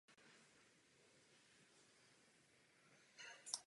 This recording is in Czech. V lednu následujícího roku byl jmenován šéfredaktorem.